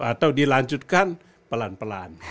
atau dilanjutkan pelan pelan